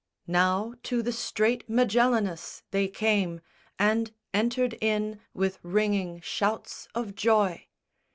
Now to the strait Magellanus they came, And entered in with ringing shouts of joy.